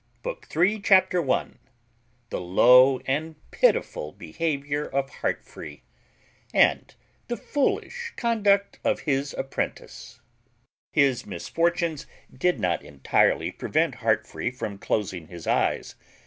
BOOK III CHAPTER ONE THE LOW AND PITIFUL BEHAVIOUR OF HEARTFREE; AND THE FOOLISH CONDUCT OF HIS APPRENTICE. His misfortunes did not entirely prevent Heartfree from closing his eyes.